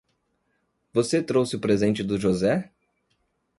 Você trouxe o presente do José?